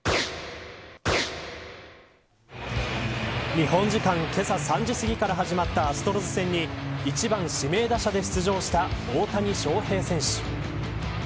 日本時間けさ３時すぎから始まったアストロズ戦に１番、指名打者で出場した大谷翔平選手。